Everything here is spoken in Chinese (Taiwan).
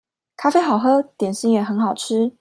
咖啡好喝，點心也很好吃